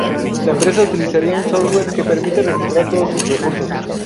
La empresa utiliza un software que permite registrar todos sus recursos.